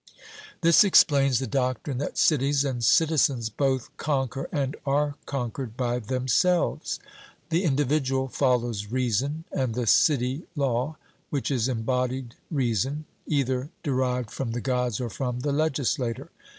This explains the doctrine that cities and citizens both conquer and are conquered by themselves. The individual follows reason, and the city law, which is embodied reason, either derived from the Gods or from the legislator.